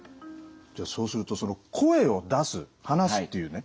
じゃあそうすると声を出す話すっていうね